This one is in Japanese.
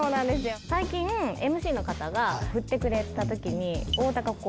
最近ＭＣの方がふってくれた時に。